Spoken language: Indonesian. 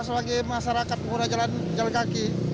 selagi masyarakat mengurang jalan jalan kaki